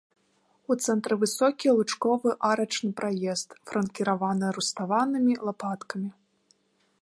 У цэнтры высокі лучковы арачны праезд, фланкіраваны руставанымі лапаткамі.